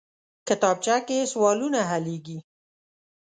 کتابچه کې سوالونه حلېږي